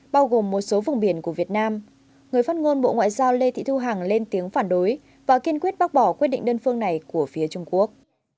bao gồm một số vùng biển của việt nam người phát ngôn bộ ngoại giao lê thị thu hằng lên tiếng phản đối và kiên quyết bác bỏ quyết định đơn phương này của phía trung quốc